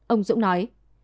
ông dũng nói